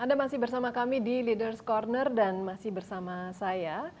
anda masih bersama kami di leaders' corner dan masih bersama saya